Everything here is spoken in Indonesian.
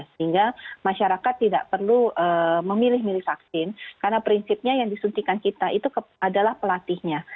sehingga masyarakat tidak perlu memilih milih vaksin karena prinsipnya yang disuntikan kita itu adalah pelatihnya